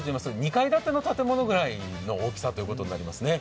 ２階建ての建物ぐらいの大きさということになりますね。